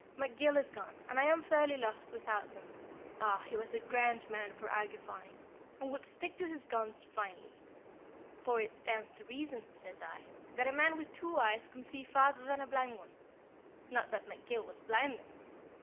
"McGill is gone, and I am fairly lost without him. Ah! he was a grand man for argufying, and would stick to his guns finely. 'For it stands to reason,' says I, 'that a man with two eyes can see farther than a blind one' not that McGill was blind then?